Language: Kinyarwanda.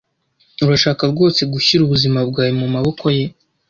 Urashaka rwose gushyira ubuzima bwawe mumaboko ye?